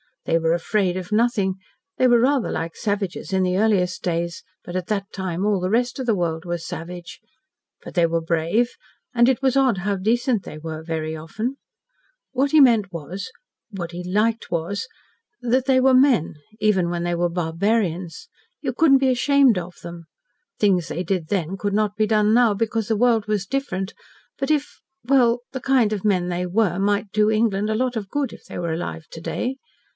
They were afraid of nothing. They were rather like savages in the earliest days, but at that time all the rest of the world was savage. But they were brave, and it was odd how decent they were very often. What he meant was what he liked was, that they were men even when they were barbarians. You couldn't be ashamed of them. Things they did then could not be done now, because the world was different, but if well, the kind of men they were might do England a lot of good if they were alive to day.